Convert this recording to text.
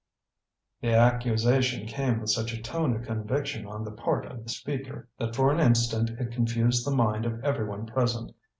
The accusation came with such a tone of conviction on the part of the speaker, that for an instant it confused the mind of every one present.